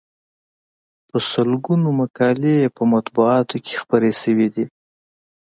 په سلګونو مقالې یې په مطبوعاتو کې خپرې شوې دي.